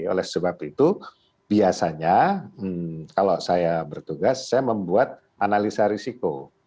oleh sebab itu biasanya kalau saya bertugas saya membuat analisa risiko